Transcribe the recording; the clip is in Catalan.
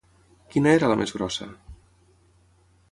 Quina era la més grossa?